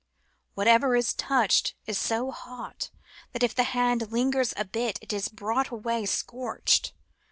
"Whatever is touched is so hot that if the hand lingers a bit it is brought away scorched.